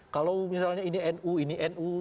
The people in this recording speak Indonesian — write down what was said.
kalau misalnya ini nu ini nu